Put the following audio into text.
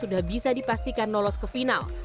sudah bisa dipastikan lolos ke final